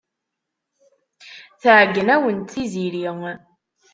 Tɛeyyen-awent Tiziri.